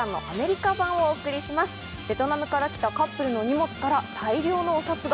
ベトナムから来たカップルの荷物から大量のお札が！